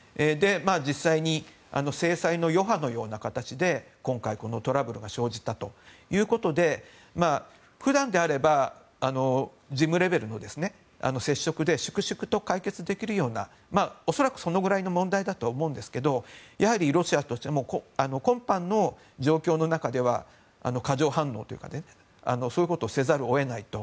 実際に制裁の余波のような形で今回トラブルが生じたということで普段であれば事務レベルの接触で粛々と解決できるような恐らくそのぐらいの問題だと思うんですがやはり、ロシアとしても今般の状況の中では過剰反応というかそういうことをせざるを得ないと。